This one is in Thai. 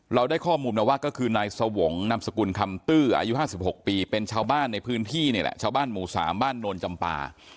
เราได้ข้อมูลมาว่าก็คือนายสวงนามสกุลคำตื้ออายุ๕๖ปีเป็นชาวบ้านในพื้นที่นี่แหละชาวบ้านหมู่๓บ้านโนนจำปา